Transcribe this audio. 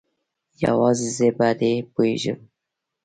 یوازې زه په دې پوهیږم